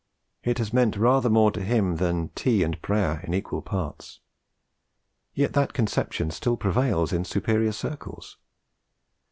It has meant rather more to him than 'tea and prayer in equal parts'; yet that conception still prevails in superior circles.